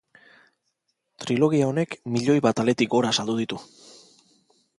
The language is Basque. Trilogia honek milioi bat aletik gora saldu ditu.